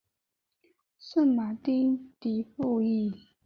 圣马丁迪富伊卢。